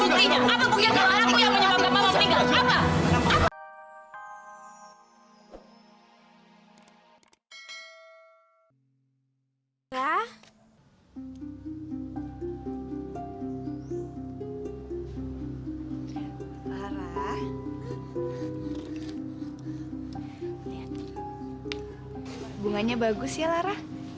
hubungannya bagus ya lara